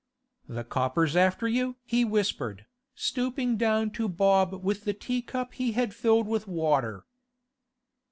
'The coppers after you?' he whispered, stooping down to Bob with the tea cup he had filled with water.